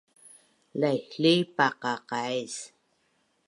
Laihlih paqaqais